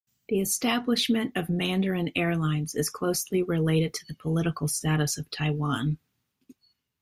The establishment of Mandarin Airlines is closely related to the political status of Taiwan.